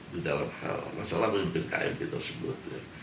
di dalam hal masalah pemimpin kmp tersebut